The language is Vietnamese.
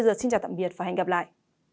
xin chào tạm biệt và hẹn gặp lại